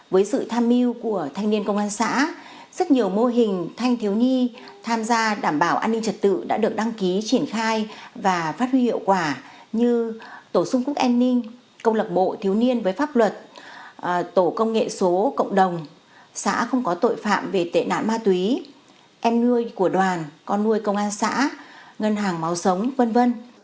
với sự tham mưu của thanh niên công an xã rất nhiều mô hình thanh thiếu nhi tham gia đảm bảo an ninh trật tự đã được đăng ký triển khai và phát huy hiệu quả như tổ sung quốc an ninh công lập bộ thiếu niên với pháp luật tổ công nghệ số cộng đồng xã không có tội phạm về tệ nạn ma túy em nuôi của đoàn con nuôi công an xã ngân hàng máu sống v v